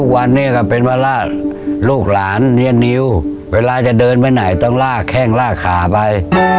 วันนี้ก็เป็นวันแรกลูกหลานเรียนนิวเวลาจะเดินไปไหนต้องลากแข้งลากขาไป